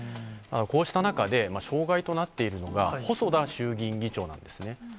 こうした中で、障害となっているのが、細田衆議院議長なんですね。